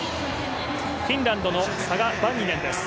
フィンランドのサガ・バンニネンです。